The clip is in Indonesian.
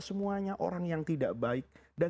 semuanya orang yang tidak baik dan